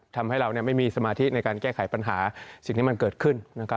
ทำให้เราไม่มีสมาธิในการแก้ไขปัญหาสิ่งที่มันเกิดขึ้น